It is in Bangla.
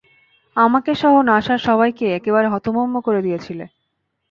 আমাকেসহ নাসার সবাইকে একেবারে হতভম্ব করে দিয়েছিলে!